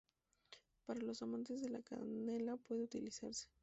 Para los amantes de la canela puede utilizarse.